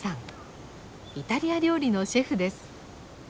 イタリア料理のシェフです。